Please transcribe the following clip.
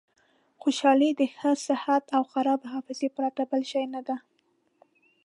خوشحالي د ښه صحت او خرابې حافظې پرته بل شی نه ده.